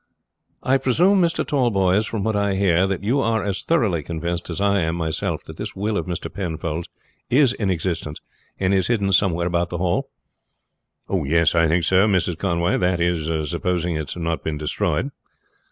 "I presume, Mr. Tallboys, from what I hear, that you are as thoroughly convinced as I am myself that this will of Mr. Penfold's is in existence, and is hidden somewhere about the Hall?" "Yes, I think so, Mrs. Conway. That is, supposing it has not been destroyed."